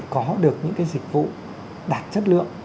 có được những cái dịch vụ đặt chất lượng